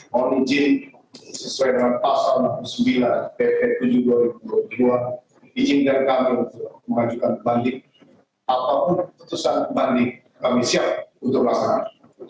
mohon izin sesuai dengan pasal enam puluh sembilan pp tujuh ribu dua ratus dua puluh dua izinkan kami memajukan kembali apapun keputusan kembali kami siap untuk melaksanakan